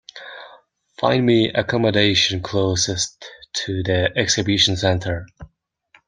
Find me accommodation closest to the exhibition center.